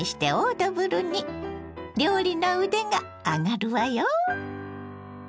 料理の腕が上がるわよ。